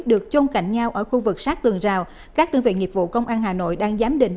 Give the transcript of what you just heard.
được chôn cạnh nhau ở khu vực sát tường rào các đơn vị nghiệp vụ công an hà nội đang giám định